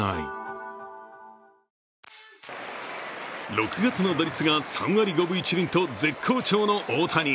６月の打率が３割５分１厘と絶好調の大谷。